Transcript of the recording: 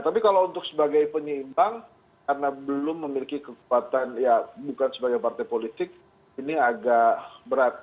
tapi kalau untuk sebagai penyeimbang karena belum memiliki kekuatan ya bukan sebagai partai politik ini agak berat